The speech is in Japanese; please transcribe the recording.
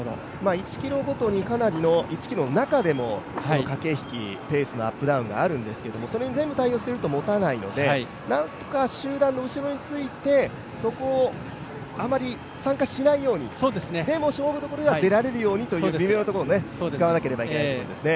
１ｋｍごとにかなりの１ｋｍの中でも駆け引き、ペースのアップダウンがあるんですけど、それに全部対応しているともたないのでなんとか集団の後ろについてそこをあまり参加しないようにでも勝負所では出られるようにという、微妙なところを使わないといけないですね。